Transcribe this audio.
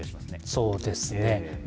そうですね。